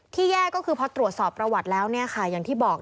แย่ก็คือพอตรวจสอบประวัติแล้วเนี่ยค่ะอย่างที่บอก